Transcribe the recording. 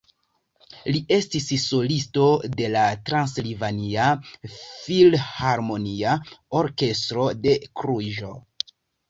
Li estis solisto de la Transilvania Filharmonia Orkestro de Kluĵo.